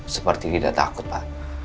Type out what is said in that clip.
seperti tidak takut pak